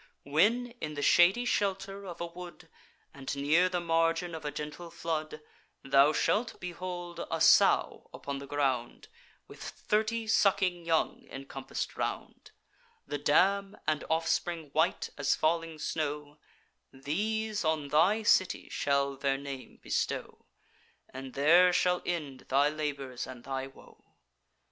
When, in the shady shelter of a wood, And near the margin of a gentle flood, Thou shalt behold a sow upon the ground, With thirty sucking young encompass'd round; The dam and offspring white as falling snow: These on thy city shall their name bestow, And there shall end thy labours and thy woe.